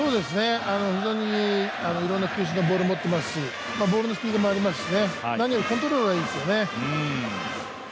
非常にいろんな球種のボール持ってますしボールのスピードもありますし、何よりもコントロールがいいですよね。